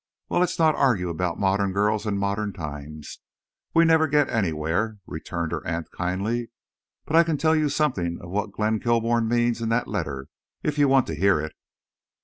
"Well, let's not argue about modern girls and modern times. We never get anywhere," returned her aunt, kindly. "But I can tell you something of what Glenn Kilbourne means in that letter—if you want to hear it."